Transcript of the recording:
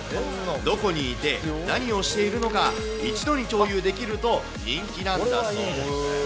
どこにいて何をしているのか、一度に共有できると人気なんだそう。